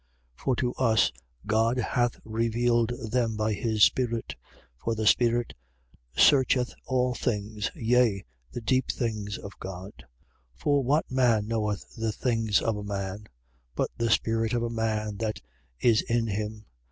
2:10. But to us God hath revealed them by his Spirit. For the Spirit searcheth all things, yea, the deep things of God. 2:11. For what man knoweth the things of a man, but the spirit of a man that is in him?